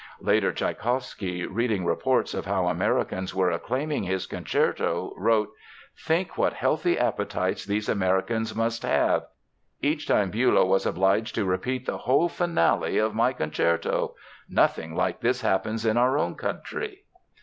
Later Tschaikowsky, reading reports of how Americans were acclaiming his concerto, wrote: "Think what healthy appetites these Americans must have! Each time Bülow was obliged to repeat the whole finale of my concerto! Nothing like this happens in our own country."